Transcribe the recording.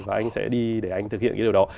và anh sẽ đi để anh thực hiện cái điều đó